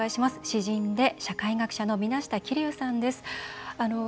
詩人で社会学者の水無田気流さんです。